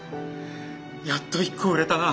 やっと１個売れたな。